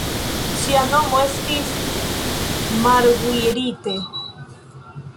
Ŝia nomo estis Marguerite.